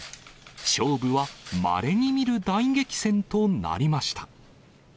勝負はまれに見る大激戦となりました。